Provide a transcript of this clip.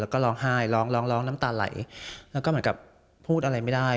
แล้วก็ร้องไห้ร้องร้องน้ำตาไหลแล้วก็เหมือนกับพูดอะไรไม่ได้